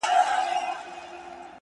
د يو مئين سړي ژړا چي څوک په زړه وچيچي;